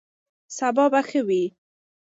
سبا به ښه وي.